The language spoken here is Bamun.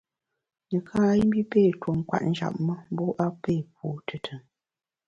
Neká i mbi pé tuo kwet njap me, mbu a pé pu tùtùn.